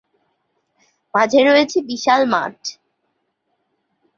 মাঝে রয়েছে বিশাল মাঠ।